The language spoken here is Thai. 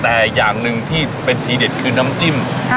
แต่อย่างหนึ่งที่เป็นทีเด็ดคือน้ำจิ้ม